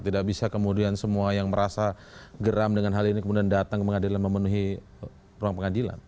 tidak bisa kemudian semua yang merasa geram dengan hal ini kemudian datang ke pengadilan memenuhi ruang pengadilan